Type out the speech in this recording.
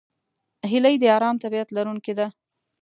هیلۍ د آرام طبیعت لرونکې ده